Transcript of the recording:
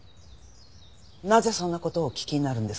なぜそんな事をお聞きになるんですか？